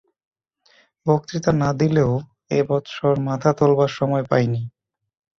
বক্তৃতা না দিলেও এ বৎসর মাথা তোলবার সময় পাইনি।